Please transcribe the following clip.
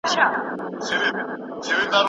د ساعت ارزښت په موزيم کي روښانه سو.